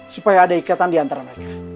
supaya ada ikatan di antara mereka